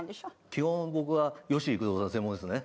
基本僕は吉幾三さん専門ですね。